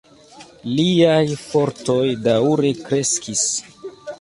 Liaj fortoj daŭre kreskis.